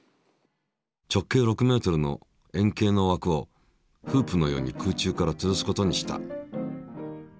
直径６ｍの円形のわくをフープのように空中からつるすことにした。